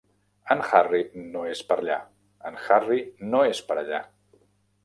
En Harry no és per allà, en Harry no és per allà.